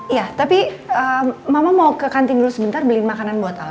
iya tapi mama mau ke kantin dulu sebentar beli makanan buat al